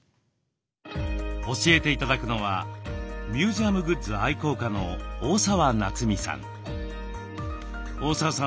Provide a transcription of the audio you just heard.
教えて頂くのは「ミュージアムグッズ愛好家」の大澤夏美さん。